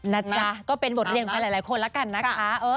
นะจ๊ะก็เป็นบทเรียนไปหลายคนละกันนะคะ